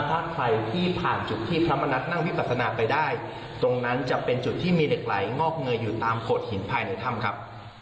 ถ้าใครที่ผ่านจุดที่พระมณัฐนั่งวิปัสนาไปได้ตรงนั้นจะเป็นจุดที่มีเหล็กไหลงอกเงยอยู่ตามโขดหินภายในถ้ำครับ